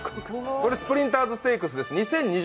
スプリンターズステークスです。